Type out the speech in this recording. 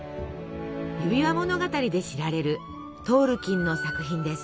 「指輪物語」で知られるトールキンの作品です。